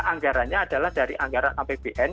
anggarannya adalah dari anggaran apbn